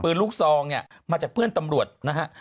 ลูกซองเนี่ยมาจากเพื่อนตำรวจนะฮะ